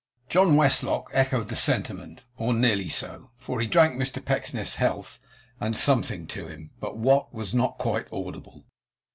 John Westlock echoed the sentiment, or nearly so; for he drank Mr Pecksniff's health, and Something to him but what, was not quite audible.